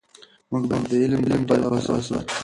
موږ باید د علم ډېوه بله وساتو.